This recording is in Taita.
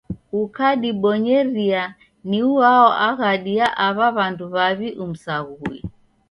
Ukadibonyeria ni uao aghadi ya aw'a w'andu w'aw'i umsaghue.